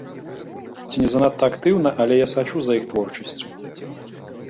Ці не занадта актыўна, але я сачу за іх творчасцю.